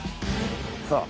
さあ。